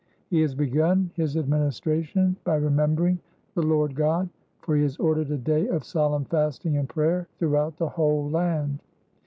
He has begun [his administration] by remembering the Lord God; for he has ordered a day of solemn fasting and prayer throughout the whole land.